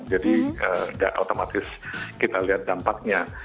jadi tidak otomatis kita lihat dampaknya